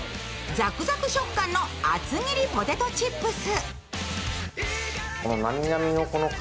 ざくざく食感の厚切りポテトチップス。